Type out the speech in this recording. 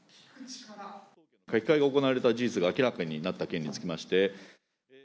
書き換えが行われた事実が明らかになった件につきまして。